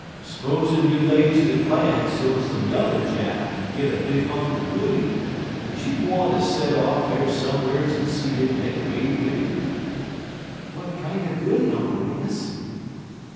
S'pozen you lays de plans so some yuther chap kin git a big hunk er goody, is you gwine ter set off some'r's en see 'im make way wid it?" "What kind of goody, Uncle Remus?"